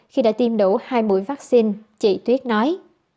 khi đã tiêm đủ hai mũi vaccine chị tuyết nói